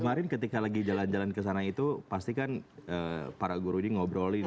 kemarin ketika lagi jalan jalan kesana itu pastikan para guru ini ngobrolin ya